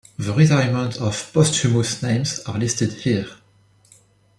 The retirement or posthumous names are listed here.